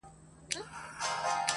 ته خبر یې د تودې خوني له خونده؟!!!